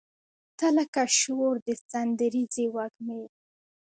تۀ لکه شور د سندریزې وږمې